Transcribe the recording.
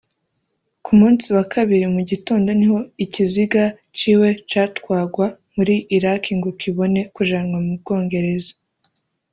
Ku munsi wa kabiri mu gitondo niho ikiziga ciwe catwagwa muri Iraki ngo kibone kujanwa mu Bwongereza